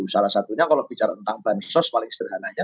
salah satunya kalau bicara tentang bahan sos paling istirahatannya